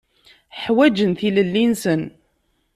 Ḥwaǧen tilelli-nsen.